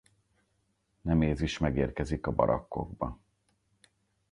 Nemezis megérkezik a Barakkokba.